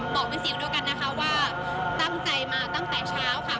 บอกเป็นเสียงเดียวกันนะคะว่าตั้งใจมาตั้งแต่เช้าค่ะ